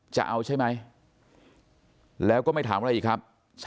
จะเอาใช่ไหมแล้วก็ไม่ถามอะไรอีกครับ